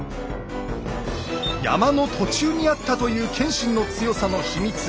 山の途中にあったという謙信の強さの秘密。